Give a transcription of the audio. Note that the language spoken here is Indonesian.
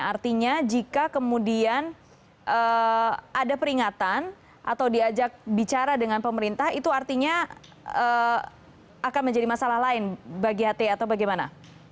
artinya jika kemudian ada peringatan atau diajak bicara dengan pemerintah itu artinya akan menjadi masalah lain bagi hti atau bagaimana